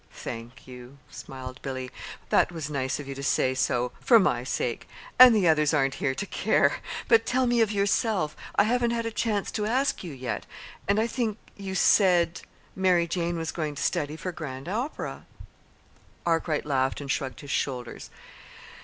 "Thank you," smiled Billy; "that was nice of you to say so for my sake and the others aren't here to care. But tell me of yourself. I haven't had a chance to ask you yet; and I think you said Mary Jane was going to study for Grand Opera." Arkwright laughed and shrugged his shoulders.